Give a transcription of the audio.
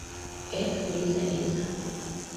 «Эх, Лиза, Лиза.